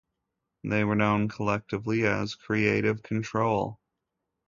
They were known collectively as "Creative Control".